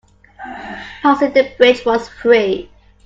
Passing the bridge was free.